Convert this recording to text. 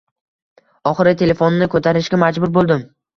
Oxiri telefonni ko'tarishga majbur bo'ldim